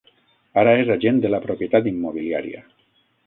Ara és agent de la propietat immobiliària.